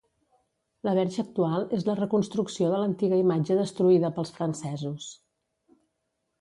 La Verge actual és la reconstrucció de l'antiga imatge destruïda pels francesos.